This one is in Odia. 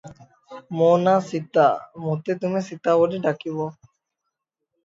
ମୋ ନା' ସୀତା, ମତେ ତୁମେ ସୀତା ବୋଲି ଡାକିବ ।